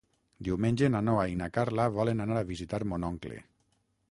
Diumenge na Noa i na Carla volen anar a visitar mon oncle.